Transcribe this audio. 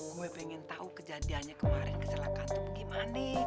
gue pengen tahu kejadiannya kemarin kecelakaan tuh gimana